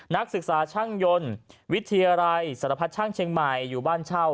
นักศึกษาช่างยนต์วิทยาลัยสารพัดช่างเชียงใหม่อยู่บ้านเช่า